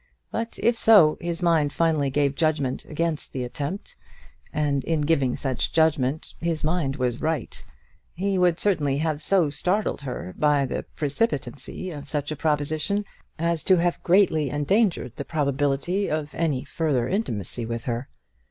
But if so, his mind finally gave judgment against the attempt, and in giving such judgment his mind was right. He would certainly have so startled her by the precipitancy of such a proposition, as to have greatly endangered the probability of any further intimacy with her.